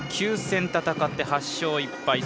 ９戦戦って８勝１敗。